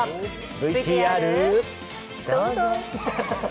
ＶＴＲ、どうぞ。